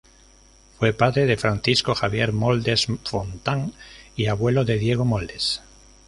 Fue padre de Francisco Javier Moldes Fontán y abuelo de Diego Moldes.